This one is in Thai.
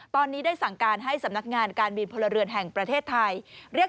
ตอนนี้ได้สั่งการให้สำนักงานการบินพลเรือนแห่งประเทศไทยเรียก